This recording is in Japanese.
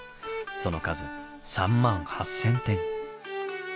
その数３８，０００点。